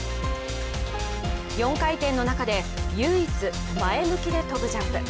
４回転の中で唯一、前向きで跳ぶジャンプ。